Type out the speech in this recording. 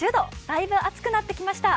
だいぶ暑くなってきました。